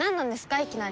いきなり。